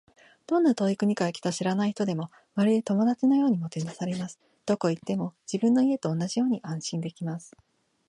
どんな遠い国から来た知らない人でも、まるで友達のようにもてなされます。どこへ行っても、自分の家と同じように安心できます。